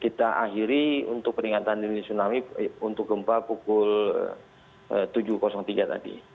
kita akhiri untuk peringatan dini tsunami untuk gempa pukul tujuh tiga tadi